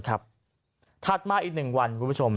ถัดมาอีก๑วัน